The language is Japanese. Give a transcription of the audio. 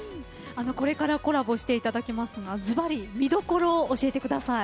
これからコラボしていただきますがずばり、見どころを教えてください。